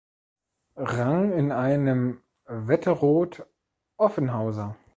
Rang in einem Wetteroth-Offenhauser.